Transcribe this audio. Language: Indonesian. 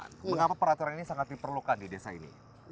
mengapa peraturan ini sangat diperlukan di desa ini